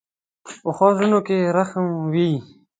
پخو زړونو کې رحم وي